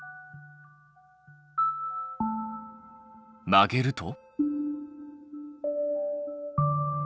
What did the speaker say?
曲げると？